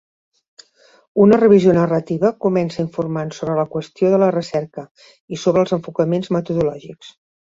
Una revisió narrativa comença informant sobre la qüestió de la recerca i sobre els enfocaments metodològics.